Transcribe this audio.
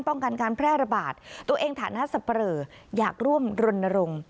ป้องกันการแพร่ระบาดตัวเองฐานะสับปะเหลออยากร่วมรณรงค์